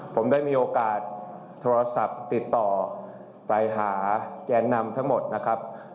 ผมได้มีโอกาสโทรศัพท์ติดต่อไปหาแกนนำทั้งหมดนะครับ